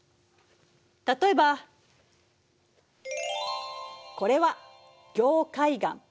例えばこれは凝灰岩。